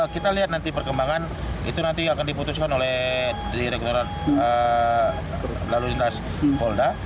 kita lihat nanti perkembangan itu nanti akan diputuskan oleh direkturat lalu lintas polda